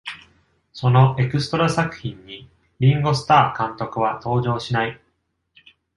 そのエクストラ作品にリンゴ・スター監督は登場しない。